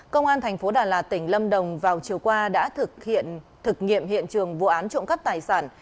công an tp hcm tỉnh lâm đồng vào chiều qua đã thực hiện hiện trường vụ án trộm cắt tài sản